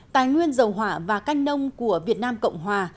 tài nguyên dầu hỏa và canh nông của việt nam cộng hòa